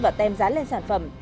và tem dán lên sản phẩm